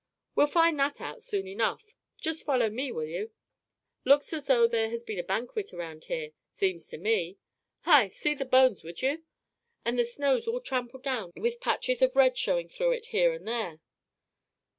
"We'll find that out soon enough. Just follow me, will you? Looks as though there had been a banquet around here, seems to me. Hi! see the bones, would you? And the snow's all trampled down, with patches of red showing through it here and there."